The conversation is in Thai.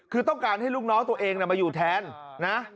คือต้องการให้ลูกน้องตัวเองมาอยู่แทนนะ